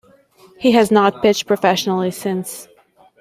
He has not pitched professionally since.